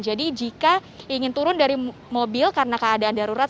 jadi jika ingin turun dari mobil karena keadaan darurat